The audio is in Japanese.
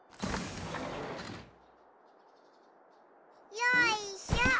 よいしょ！